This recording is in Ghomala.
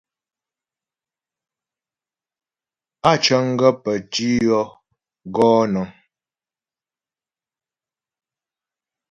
Á cəŋ gaə́ pə́ tǐ yo gɔ nəŋ.